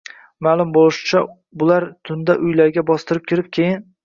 Ma`lum bo`lishicha, bular tunda uylarga bostirib kirib, keyin